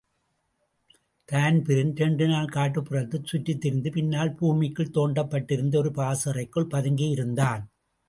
Dan Breen இரண்டு நாள் காட்டுப்புறத்தில் சுற்றித்திரிந்து, பின்னால் பூமிக்குள் தோண்டப்பட்டிருந்த ஒரு பாசறைக்குள் பதுங்கியிருந்தான்.